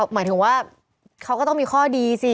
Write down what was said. หมายถึงว่าเขาก็ต้องมีข้อดีสิ